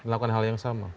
melakukan hal yang sama